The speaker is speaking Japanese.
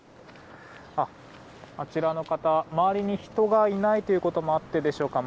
あちらの方周りに人がいないということもあってでしょうか